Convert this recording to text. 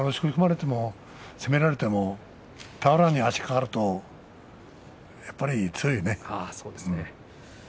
攻められても俵に足が掛かるとやっぱり強いね。